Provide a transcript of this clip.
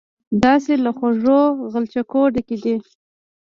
داسې له خوږو غلچکو ډکې دي.